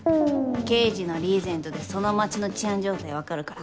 刑事のリーゼントでその街の治安状態分かるから。